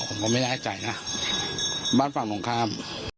ผมก็ไม่แน่ใจนะบ้านฝั่งตรงข้าม